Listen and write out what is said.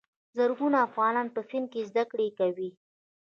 زرګونه افغانان په هند کې زده کړې کوي.